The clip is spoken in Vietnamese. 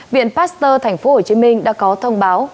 viện pasteur tp hcm đã có thông báo